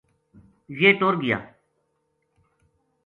یہ ٹر گیا